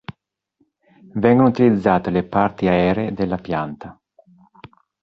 Vengono utilizzate le parti aree della pianta.